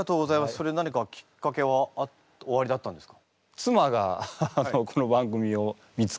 それ何かきっかけはおありだったんですか？